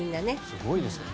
すごいですよね。